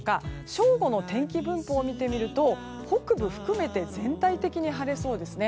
正午の天気分布を見てみると北部含めて全体的に晴れそうですね。